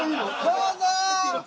どうぞ！